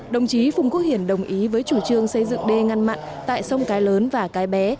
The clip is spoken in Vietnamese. đồng chí phùng quốc hiển đồng ý với chủ trương xây dựng đê ngăn mặn tại sông cái lớn và cái bé